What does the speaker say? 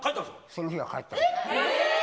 その日は帰った。